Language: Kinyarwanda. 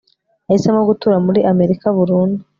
yahisemo gutura muri amerika burundu